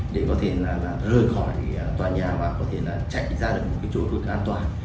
để có thể là rời khỏi tòa nhà và có thể là chạy ra được một cái chối an toàn